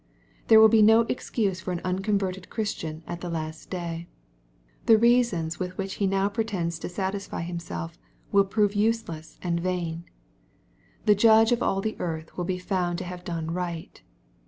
There will be no excuse for an unconverted Christian at the last day. The reasons with which he now pre tends to satisfy himself will prove useless and vain. The Judge of all the earth will be found to have done right.